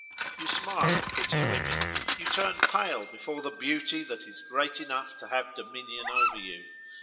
You smile at pretty women—you turn pale before the beauty that is great enough to have dominion over you.